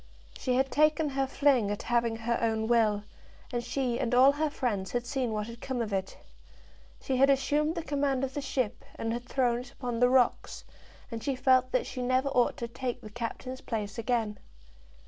She had taken her fling at having her own will, and she and all her friends had seen what had come of it. She had assumed the command of the ship, and had thrown it upon the rocks, and she felt that she never ought to take the captain's place again.